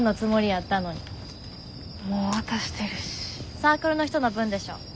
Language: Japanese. サークルの人の分でしょ？